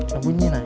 nah bunyi nah